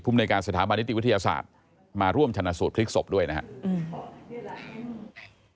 ในการสถาบันนิติวิทยาศาสตร์มาร่วมชนะสูตรพลิกศพด้วยนะครับ